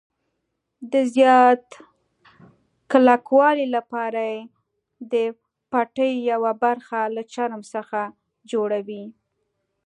د زیات کلکوالي لپاره یې د پټۍ یوه برخه له چرم څخه جوړوي.